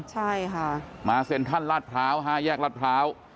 ใช่ค่ะมาเซ็นทรัลลาดพร้าว๕แยกรัฐพร้าว